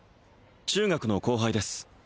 中学の後輩です